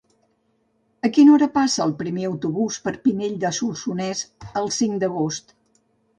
A quina hora passa el primer autobús per Pinell de Solsonès el cinc d'agost?